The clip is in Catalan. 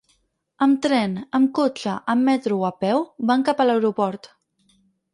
Amb tren, amb cotxe, amb metro o a peu, van cap a l’aeroport.